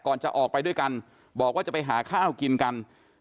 จะออกไปด้วยกันบอกว่าจะไปหาข้าวกินกัน